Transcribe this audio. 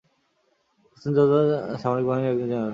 হোসেন জর্দানের সামরিক বাহিনীর একজন মেজর জেনারেল।